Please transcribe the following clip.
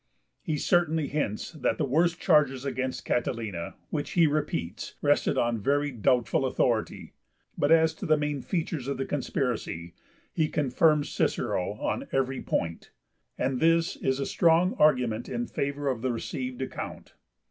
He certainly hints that the worst charges against Catilina, which he repeats, rested on very doubtful authority; but as to the main features of the conspiracy, he confirms Cicero on every point; and this is a strong argument in favour of the received account.